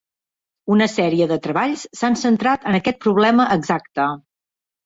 Una sèrie de treballs s"han centrat en aquest problema exacte.